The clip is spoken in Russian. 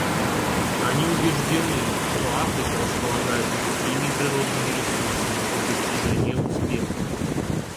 Они убеждены, что Африка располагает людскими и природными ресурсами для достижения успеха.